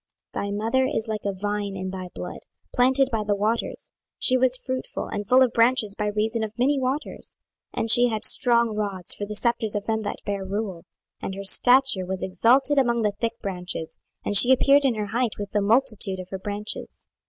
26:019:010 Thy mother is like a vine in thy blood, planted by the waters: she was fruitful and full of branches by reason of many waters. 26:019:011 And she had strong rods for the sceptres of them that bare rule, and her stature was exalted among the thick branches, and she appeared in her height with the multitude of her branches.